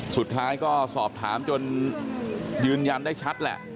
สุดท้ายก็สอบถามจนยืนยันได้ชัดแหละ